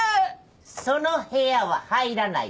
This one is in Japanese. その部屋は入らないで。